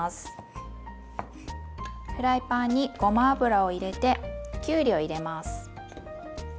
フライパンにごま油を入れてきゅうりを入れます。